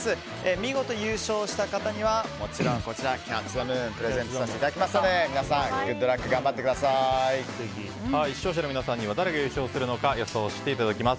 見事優勝した方にはもちろんこちらキャッチ・ザ・ムーンをプレゼントさせていただきますので視聴者の皆さんには誰が優勝するのか予想していただきます。